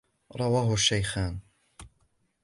رواه الشيخان.